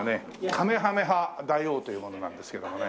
カメハメハ大王という者なんですけどもね。